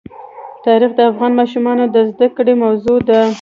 تاریخ د افغان ماشومانو د زده کړې موضوع ده.